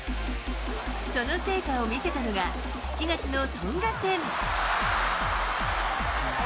その成果を見せたのが、７月のトンガ戦。